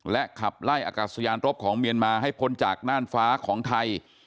ขับไล่อากาศยานรบของเมียนมาให้พ้นจากน่านฟ้าของไทย